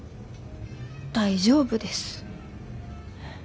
大丈夫です。